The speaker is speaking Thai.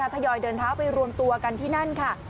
ยอยเดินเท้าไปรวมตัวกันที่นั่นค่ะ